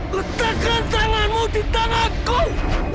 letakkan tanganmu di tanganku